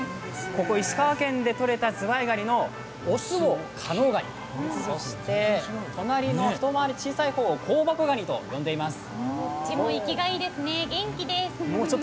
ここ石川県で取れたズワイガニのオスを加能ガニそして、隣の一回り小さい方を香箱ガニと呼んでいます。